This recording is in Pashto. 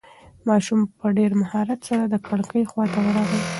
ماشوم په ډېر مهارت سره د کړکۍ خواته ورغی.